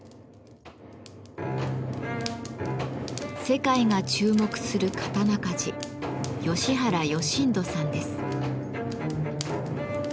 世界が注目する刀鍛冶吉原義人さんです。